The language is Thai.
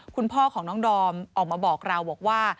คุณพ่อของน้องดอมออกมาบอกเราบอกว่า